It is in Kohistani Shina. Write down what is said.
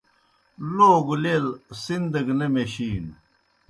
لوگوْ لیل سِن دہ گہ نہ میشِینوْ